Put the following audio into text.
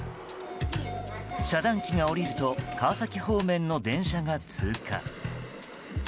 遮断機が下りると川崎方面の電車が通過。